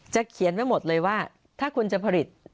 เขียนไว้หมดเลยว่าถ้าคุณจะผลิต